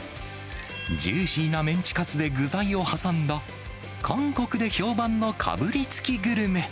ジューシーなメンチカツで具材を挟んだ、韓国で評判のかぶりつきグルメ。